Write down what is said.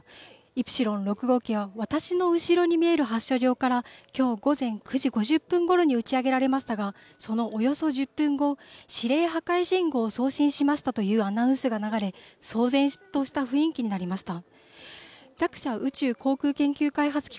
イプシロン６号機は私の後ろに見える発射場からきょう午前９時５０分ごろに打ち上げられましたがそのおよそ１０分後、指令破壊信号を送信しましたというアナウンスが流れ騒然とした雰囲気になりました。